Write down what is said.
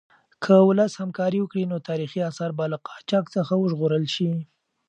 که ولس همکاري وکړي نو تاریخي اثار به له قاچاق څخه وژغورل شي.